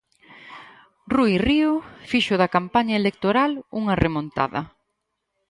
Rui Rio fixo da campaña electoral unha remontada.